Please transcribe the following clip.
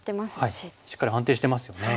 しっかり安定してますよね。